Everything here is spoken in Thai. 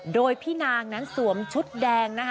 โดยพี่นางนั้นสวมชุดแดงนะคะ